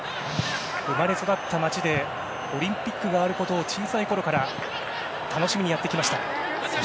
生まれ育った街でオリンピックがあることを小さいころから楽しみにやってきました。